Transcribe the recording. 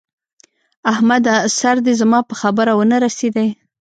احمده! سر دې زما په خبره و نه رسېدی!